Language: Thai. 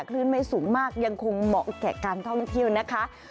คลื่นไม่สูงมากยังคงเหมาะแก่การท่องเที่ยวนะคะ